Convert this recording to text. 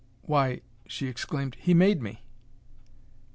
"Why," she exclaimed, "he made me!"